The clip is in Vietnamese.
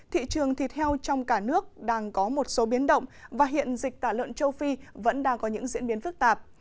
thị trường thịt heo trong cả nước đang có một số biến động và hiện dịch tả lợn châu phi vẫn đang có những diễn biến phức tạp